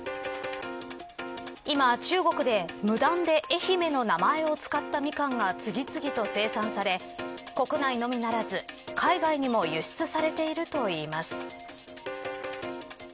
今、中国で無断で愛媛の名前を使ったミカンが次々と生産され、国内のみならず海外にも輸出されているといいます。